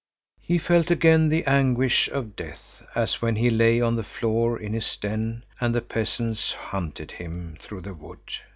He felt again the anguish of death, as when he lay on the floor in his den and the peasants hunted him through the wood.